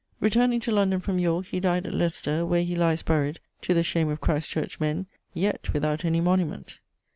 Returning to London from Yorke, he died at Leicester, where he lies buried (to the shame of Christ church men) yet without any monument.